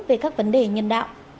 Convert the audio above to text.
về các vấn đề nhân đạo